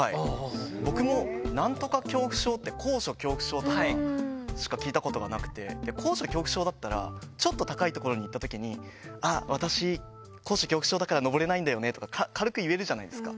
僕も、なんとか恐怖症って、高所恐怖症とかしか聞いたことがなくて、高所恐怖症だったら、ちょっと高い所に行ったときに、あっ、私、高所恐怖症だから登れないんだよねとか、軽く言えるじゃないですか。